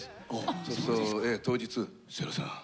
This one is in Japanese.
そうすると当日「世良さん